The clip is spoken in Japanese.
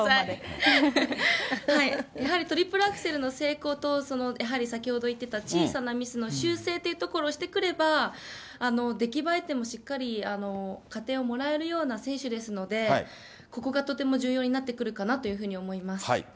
やはりトリプルアクセルの成功と、やはり先ほど言ってた小さなミスの修正というところをしてくれば、出来栄え点もしっかり加点をもらえるような選手ですので、ここがとても重要になってくるかなと思います。